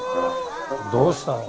どうしたの？